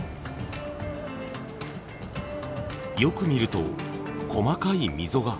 よく見ると細かい溝が。